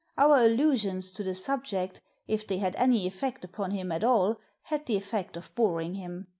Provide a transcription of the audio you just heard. Our allusions to the subject, if they had any effect upon him at all, had the effect of boring him.